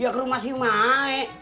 ya ke rumah si maek